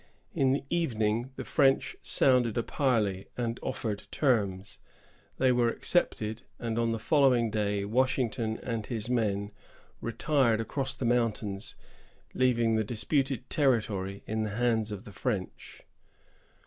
In the evening, the French sounded a parley, and offered terms. They were accepted, and on the following day Washington and his men retired across the mountains, leaving the disputed territory in the hands of the French.